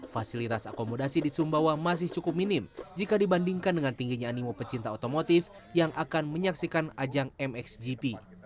fasilitas akomodasi di sumbawa masih cukup minim jika dibandingkan dengan tingginya animo pecinta otomotif yang akan menyaksikan ajang mxgp